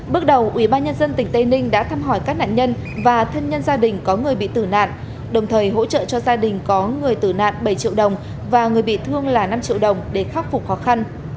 bước đầu ubnd tỉnh tây ninh đã thăm hỏi các nạn nhân và thân nhân gia đình có người bị tử nạn đồng thời hỗ trợ cho gia đình có người tử nạn bảy triệu đồng và người bị thương là năm triệu đồng để khắc phục khó khăn